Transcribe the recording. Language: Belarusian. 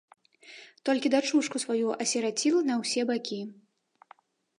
Толькі дачушку сваю асіраціла на ўсе бакі.